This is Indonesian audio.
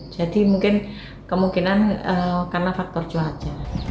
jadi mungkin kemungkinan karena faktor cuaca